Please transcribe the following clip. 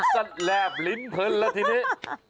สัตว์แหลบลิ้นพื้นแล้วทีนี้